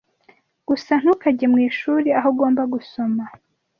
Gusa ntukajye mu ishuri aho ugomba gusoma